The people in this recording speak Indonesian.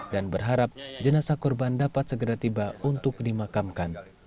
dan berharap jenasa korban dapat segera tiba untuk dimakamkan